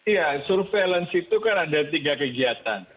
ya surveillance itu kan ada tiga kegiatan